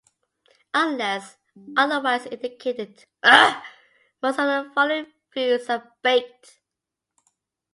Unless otherwise indicated, most of the following foods are baked.